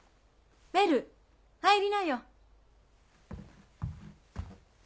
メル入りなよ。